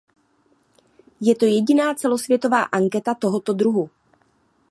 Je to jediná celosvětová anketa tohoto druhu.